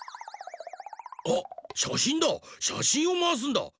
あっしゃしんだしゃしんをまわすんだ。